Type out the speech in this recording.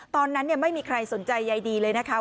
ตอนนั้นไม่มีใครสนใจใยดีเลยนะคะ